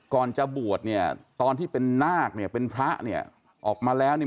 ก่อนจะบวชเนี่ยตอนที่เป็นนาคเนี่ยเป็นพระเนี่ยออกมาแล้วเนี่ย